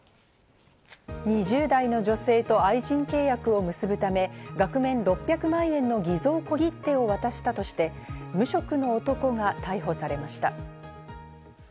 ２０代の女性と愛人契約を結ぶため、額面６００万円の偽造小切手を渡したとして、無職の男が逮捕されました。